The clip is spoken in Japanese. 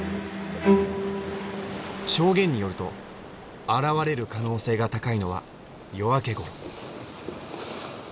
証言によると現れる可能性が高いのは夜明けごろ。